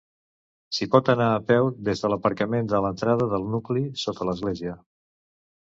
S'hi pot anar a peu des de l'aparcament de l'entrada del nucli, sota l'església.